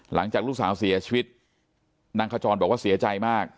หลังจากลูกสาวเสียชีวิตนางขจรบอกว่าเสียใจมาก